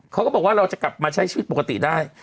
เขาก็บอกว่าเราจะกลับมาใช้ชีวิตปกติได้